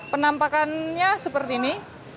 penampakannya seperti ini